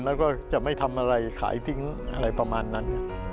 แล้วก็จะไม่ทำอะไรขายทิ้งอะไรประมาณนั้น